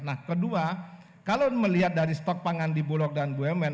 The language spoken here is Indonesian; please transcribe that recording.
nah kedua kalau melihat dari stok pangan di bulog dan bumn